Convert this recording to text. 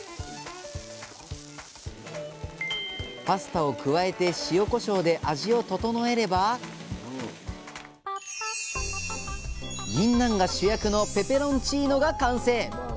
パスタを加えて塩こしょうで味を調えればぎんなんが主役のペペロンチーノが完成！